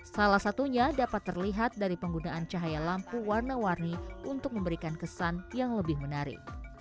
salah satunya dapat terlihat dari penggunaan cahaya lampu warna warni untuk memberikan kesan yang lebih menarik